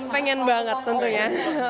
pengen banget tentunya